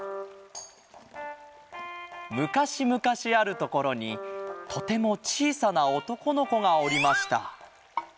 むかしむかしあるところにとてもちいさなおとこのこがおりました。